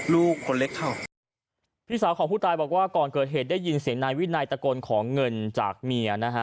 ลูกคนเล็กเข้าพี่สาวของผู้ตายบอกว่าก่อนเกิดเหตุได้ยินเสียงนายวินัยตะโกนขอเงินจากเมียนะฮะ